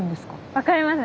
分かりますね。